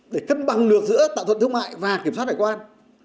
để cân bằng lược giữa tạp thuận thương mại và kiểm soát hải quan